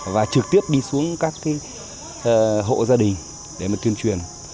và trực tiếp đi xuống các hộ gia đình để mà tuyên truyền